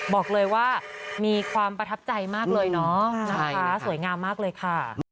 บอกเลยว่ามีความประทับใจมากเลยเนาะนะคะสวยงามมากเลยค่ะ